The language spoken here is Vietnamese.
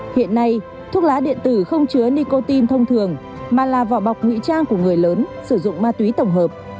hiện nay thuốc lá điện tử không chứa nicotine thông thường mà là vỏ bọc ngụy trang của người lớn sử dụng ma túy tổng hợp